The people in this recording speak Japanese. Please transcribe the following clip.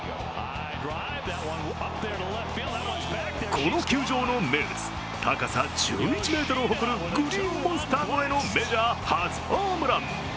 この球場の名物、高さ１１ｍを誇るグリーンモンスター越えのメジャー初ホームラン。